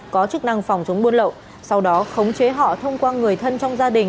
có chức năng phòng chống buôn lậu sau đó khống chế họ thông qua người thân trong gia đình